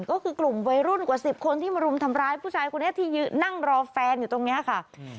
ก็คือกลุ่มวัยรุ่นกว่าสิบคนที่มารุมทำร้ายผู้ชายคนนี้ที่นั่งรอแฟนอยู่ตรงนี้ค่ะ